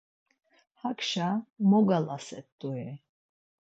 Hakşa mogalaset̆ui?